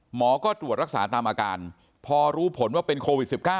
หมอก็ตรวจรักษาตามอาการพอรู้ผลว่าเป็นโควิด๑๙